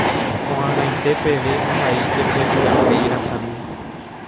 Koʼag̃aite peve ohaijepe purahéi rasami.